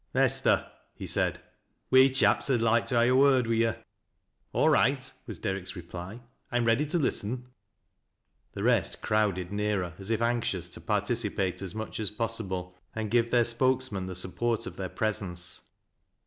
10« 226 THAT LASS 0' LOWHIB'S. "Mester," he said, "we chaps 'ud loike to ha' a word wi' yo'.'' " All right," was Derrick's reply, " I am ready to listen.'' The rest crowded nearer as if anxious to participate aja much as possible, and give their spokesman the support of their presence.